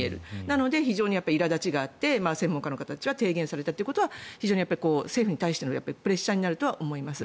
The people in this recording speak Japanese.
なので非常にいら立ちがあって専門家の方たちは提言したというのは政府の方たちにとってはプレッシャーになるとは思います。